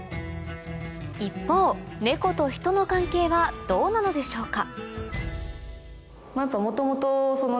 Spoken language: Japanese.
一方ネコとヒトの関係はどうなのでしょうか